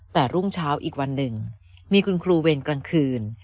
แต่รุ่งเช้าอีกวันหนึ่งมีคุณครูเวรกลางคืน